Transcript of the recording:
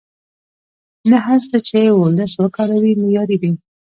نه هر څه چې وولس وکاروي معیاري دي.